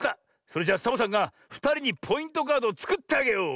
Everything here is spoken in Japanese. それじゃサボさんがふたりにポイントカードをつくってあげよう！